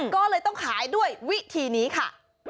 ก็เลยต้องขายด้วยวิธีนี้ค่ะ